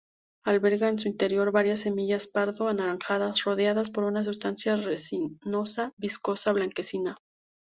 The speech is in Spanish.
Alberga en su interior varias semillas pardo-anaranjadas, rodeadas por una sustancia resinosa-viscosa blanquecina.